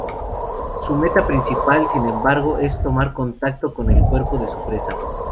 Su meta principal, sin embargo, es tomar contacto con el cuerpo de su presa.